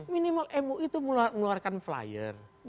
minimal mui itu mengeluarkan flyer